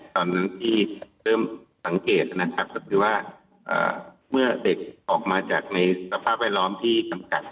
ตอนนั้นที่เริ่มสังเกตนะครับก็คือว่าเมื่อเด็กออกมาจากในสภาพแวดล้อมที่จำกัด